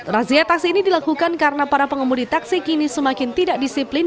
razia taksi ini dilakukan karena para pengemudi taksi kini semakin tidak disiplin